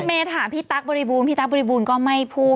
เมย์ถามพี่ตั๊กบริบูรณพี่ตั๊กบริบูรณ์ก็ไม่พูด